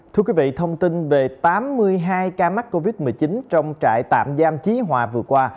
thưa quý vị thông tin về tám mươi hai ca mắc covid một mươi chín trong trại tạm giam chí hòa vừa qua